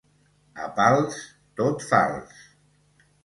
A Pals, tot fals.